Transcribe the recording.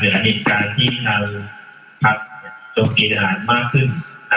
หรืออันเหตุการณ์ที่ทำภาพโดยกิจตะลานมากขึ้น